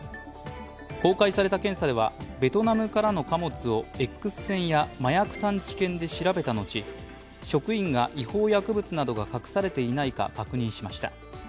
公開された検査では、ベトナムからの貨物をＸ線や麻薬探知犬で調べた後、職員が違法薬物などが隠されていないか確認しました。